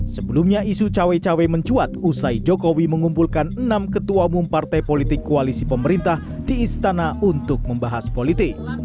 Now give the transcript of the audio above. sebelumnya isu cawe cawe mencuat usai jokowi mengumpulkan enam ketua umum partai politik koalisi pemerintah di istana untuk membahas politik